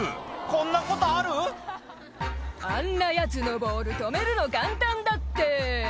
こんなことある⁉「あんなヤツのボール止めるの簡単だって」